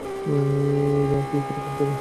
এ আবার কি রকম কথা?